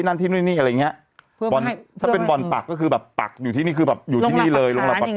มันลัยการเป็นประเด็น